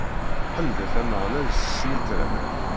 Ḥemdet Ameɣlal s snitra.